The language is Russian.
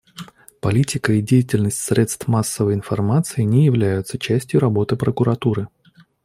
Политика и деятельность средств массовой информации не являются частью работы Прокуратуры.